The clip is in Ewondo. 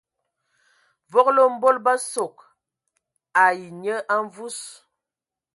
Vogolo mbol bə sogo ai nye a mvus.